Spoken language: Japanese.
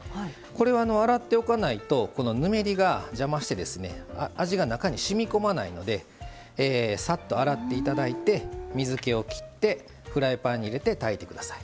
洗っておかないとぬめりが邪魔して味が中にしみこまないのでさっと洗っていただいて水けを切ってフライパンに入れて炊いてください。